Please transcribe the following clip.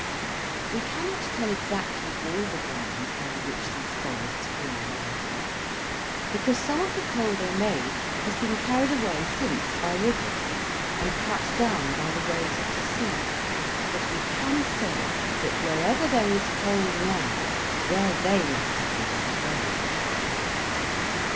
We cannot tell exactly all the ground over which these forests grew in England, because some of the coal they made has been carried away since by rivers and cut down by the waves of the sea, but we can say that wherever there is coal now, there they must have been then.